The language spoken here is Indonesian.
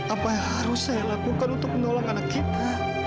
apa yang harus saya lakukan untuk menolong anak kita